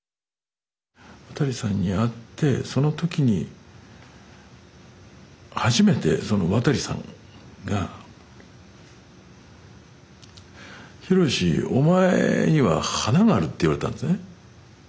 渡さんに会ってその時に初めてその渡さんが「ひろしお前には華がある」って言われたんですね。